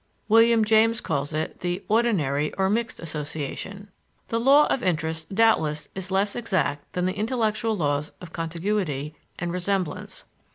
William James calls it the "ordinary or mixed association." The "law of interest" doubtless is less exact than the intellectual laws of contiguity and resemblance.